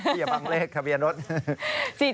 พี่อย่าบังเลขครับพี่อนุษย์